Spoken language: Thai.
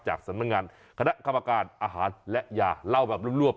สำนักงานคณะกรรมการอาหารและยาเล่าแบบรวบ